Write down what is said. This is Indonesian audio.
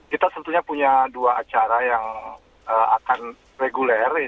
kita tentunya punya dua acara yang akan reguler